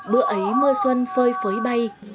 bữa ấy mưa xuân phơi phới bay